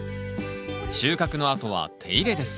収穫のあとは手入れです。